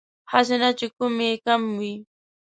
هسې نه چې کوم يې کم وي